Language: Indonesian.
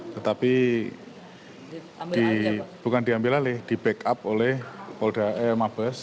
tetapi bukan diambil alih di backup oleh mabes